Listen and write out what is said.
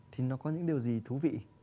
thì nó có những điều gì thú vị